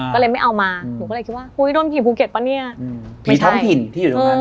ก็เลยไม่เอามาหนูก็เลยคิดว่าอุ้ยโดนผีภูเก็ตปะเนี่ยมีท้องถิ่นที่อยู่ตรงนั้น